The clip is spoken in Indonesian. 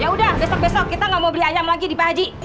ya udah besok besok kita gak mau beli ayam lagi di pak haji